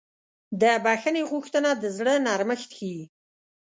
د بښنې غوښتنه د زړه نرمښت ښیي.